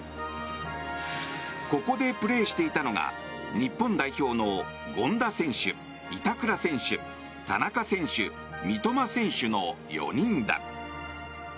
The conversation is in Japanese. ここでプレーしていたのが日本代表の権田選手、板倉選手田中選手、三笘選手の４人だ。